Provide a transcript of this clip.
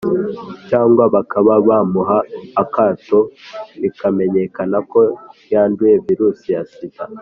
cyangwa bakaba bamuha akato bikamenyakana ko yanduye virusi ya sida,